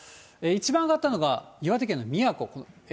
一番上がったのが岩手県の宮古。